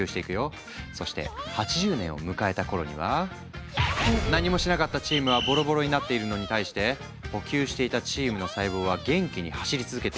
そして８０年を迎えた頃には何もしなかったチームはボロボロになっているのに対して補給していたチームの細胞は元気に走り続けているし